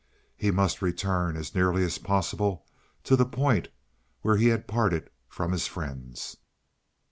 He must return as nearly as possible to the point where he had parted from his friends.